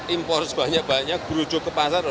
impor banyak banyak berujuk kepadanya